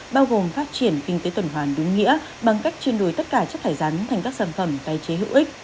bao gồm phát triển kinh tế tuần hoàn đúng nghĩa bằng cách chuyên đuổi tất cả chất thải rắn thành các sản phẩm tái chế hữu ích